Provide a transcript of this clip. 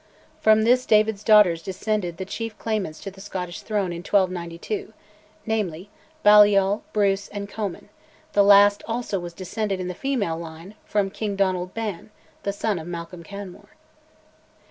From this David's daughters descended the chief claimants to the Scottish throne in 1292 namely, Balliol, Bruce, and Comyn: the last also was descended, in the female line, from King Donald Ban, son of Malcolm Canmore.